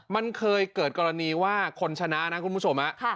มันเคยเกิดกรณีว่าคนชนะนะคุณผู้ชม